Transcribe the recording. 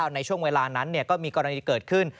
ในช่วงเวลานั้นก็มีกรณีเกิดขึ้น